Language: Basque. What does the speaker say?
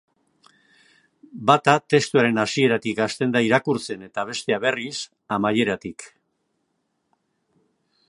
Bata testuaren hasieratik hasten da irakurtzen, eta bestea, berriz, amaieratik.